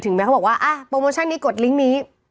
แม้เขาบอกว่าโปรโมชั่นนี้กดลิงค์นี้